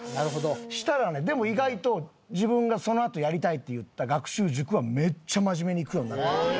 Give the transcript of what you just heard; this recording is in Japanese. そしたらねでも意外と自分がそのあとやりたいって言った学習塾はめっちゃ真面目に行くようになって。